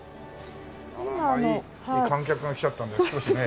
ああ観客が来ちゃったんで少しね